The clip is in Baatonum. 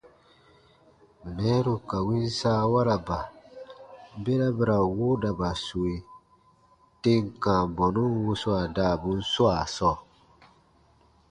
Mɛɛru ka win saawaraba, bera ba ra woodaba sue tem kãa bɔnun wuswaa daabun swaa sɔɔ.